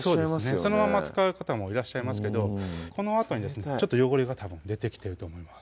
そのまま使う方もいらっしゃいますけどこのあとにですねちょっと汚れがたぶん出てきてると思います